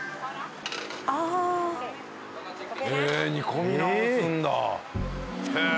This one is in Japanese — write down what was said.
ああへえ煮込み直すんだへえ